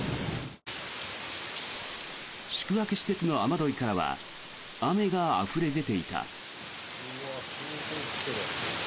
宿泊施設の雨どいからは雨があふれ出ていた。